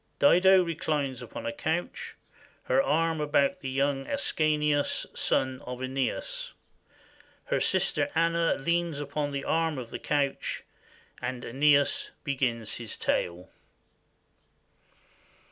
Dido reclines upon a couch, her arm about the young Ascanius, son of /Eneas. Her sister Anna leans upon the arm of the couch, and /Eneas begins his tale.